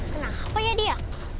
kenapa ya dia